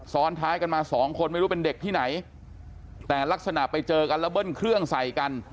ซ้อนท้ายกันมาสองคนไม่รู้เป็นเด็กที่ไหนแต่ลักษณะไปเจอกันแล้วเบิ้ลเครื่องใส่กัน